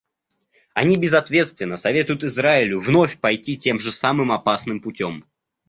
Они безответственно советуют Израилю вновь пойти тем же самым опасным путем.